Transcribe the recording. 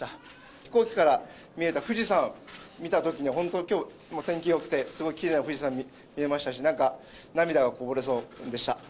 飛行機から見えた富士山、見たときに、本当にきょう、天気よくて、すごいきれいな富士山見れましたし、なんか涙がこぼれそうでした。